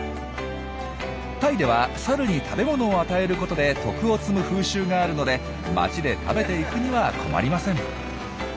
タイではサルに食べ物を与えることで徳を積む風習があるので街で食べていくには困りません。